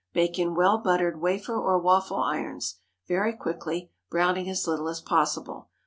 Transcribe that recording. Bake in well buttered wafer or waffle irons, very quickly, browning as little as possible.